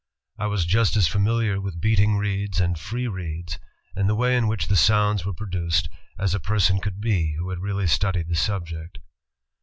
I was just as familiar with beating reeds and free reeds, and the way in which the sounds were produced, as a person could be who had really studied the subject.